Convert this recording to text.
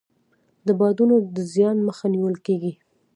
د بادونو د زیان مخه نیول کیږي.